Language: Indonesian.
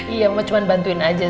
iya mau cuma bantuin aja